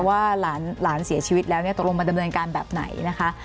ว่าหลานเสียชีวิตแล้วตกลงมาดำเนินการแบบไหนนะคะ